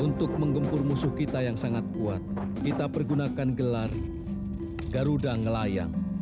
untuk menggempur musuh kita yang sangat kuat kita pergunakan gelar garuda ngelayang